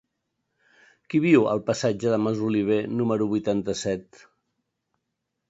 Qui viu al passatge de Masoliver número vuitanta-set?